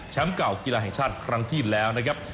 เก่ากีฬาแห่งชาติครั้งที่แล้วนะครับ